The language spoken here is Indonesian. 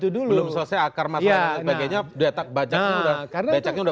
belum selesai akar masalah dan sebagainya